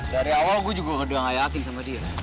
dari awal gue juga udah gak yakin sama dia